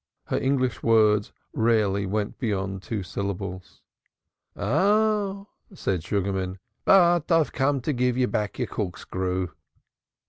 Her English words rarely went beyond two syllables. "Ah!" said Sugarman. "But I've come to give you back your corkscrew."